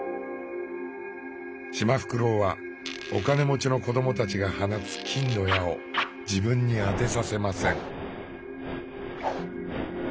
シマフクロウはお金持ちの子どもたちが放つ金の矢を自分に当てさせません。